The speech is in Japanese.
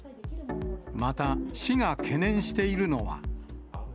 また、市が懸念しているのは。